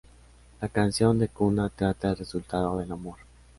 La canción de cuna trata el resultado del amor.